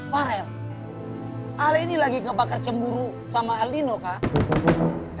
farel ale ini lagi ngebakar cemburu sama aldino kak